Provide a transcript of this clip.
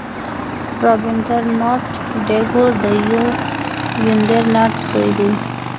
رابندر ناته ټاګور د دیو ندر ناته زوی دی.